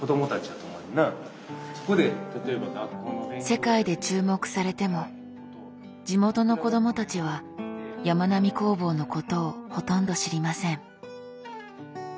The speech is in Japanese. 世界で注目されても地元の子どもたちはやまなみ工房のことをほとんど知りません。